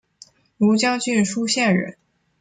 庐江郡舒县人。